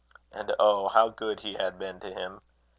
And, oh! how good he had been to him!